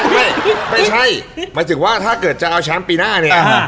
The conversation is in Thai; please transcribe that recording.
ไม่ใช่หมายถึงว่าถ้าเกิดจะเอาแชมป์ปีหน้าเนี่ย